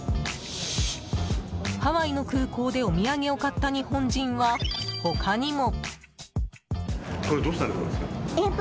ハワイの空港でお土産を買った日本人は他にも。